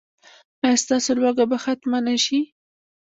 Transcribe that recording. ایا ستاسو لوږه به ختمه نه شي؟